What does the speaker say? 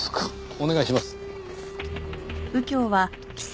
お願いします。